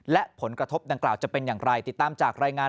และผลกระทบดังกล่าวจะเป็นอย่างไรติดตามจากรายงาน